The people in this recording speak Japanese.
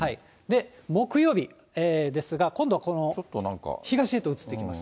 木曜日ですが、今度は東へと移っていきます。